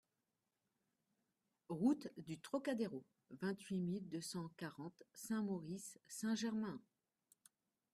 Route du Trocadéro, vingt-huit mille deux cent quarante Saint-Maurice-Saint-Germain